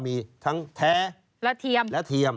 มีทั้งแท้และเทียม